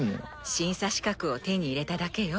審査資格を手に入れただけよ。